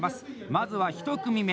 まずは１組目。